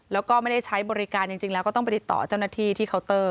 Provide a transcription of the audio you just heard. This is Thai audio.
แล้วก็ไม่ได้ใช้บริการจริงแล้วก็ต้องไปติดต่อเจ้าหน้าที่ที่เคาน์เตอร์